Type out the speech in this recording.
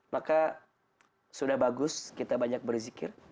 maka sudah bagus kita banyak berzikir